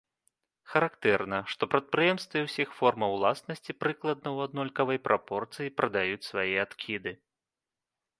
Характэрна, што прадпрыемствы ўсіх формаў уласнасці прыкладна ў аднолькавай прапорцыі прадаюць свае адкіды.